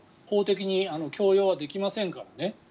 法的に強要はできませんからね。